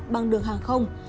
bằng đường hàng không